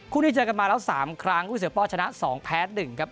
คู่นี้เจอกันมาแล้ว๓ครั้งคู่เสือป้อชนะ๒แพ้๑ครับ